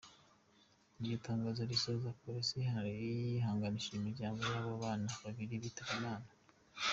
" Iryo tangazo risoza, Polisi yihanganisha imiryango y'aba bana babiri bitabye Imana.